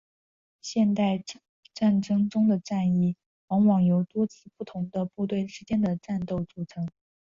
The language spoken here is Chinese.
现代战争中的战役往往由多次不同的部队之间的战斗组成。